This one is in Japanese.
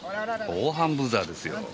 防犯ブザーですよ。